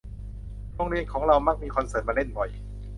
โรงเรียนของเรามักมีคอนเสิร์ตมาเล่นบ่อย